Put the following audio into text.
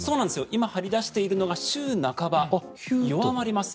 今、張り出しているのが週半ば弱まります。